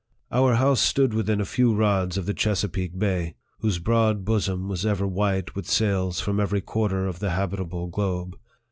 Our house stood within a few rods of the Chesa* peake Bay, whose broad bosom was ever white with sails from every quarter of the habitable globe.